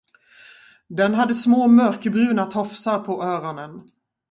Den hade små mörkbruna tofsar på öronen.